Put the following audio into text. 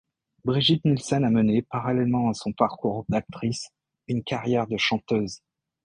Brigitte Nielsen a mené, parallèlement à son parcours d'actrice, une carrière de chanteuse.